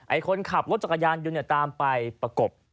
คนขับรถจักรยานยนต์ตามไปประกบ